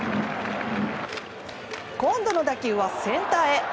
今度の打球はセンターへ。